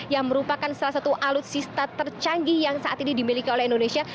yang merupakan salah satu alutsista tercanggih yang saat ini dimiliki oleh indonesia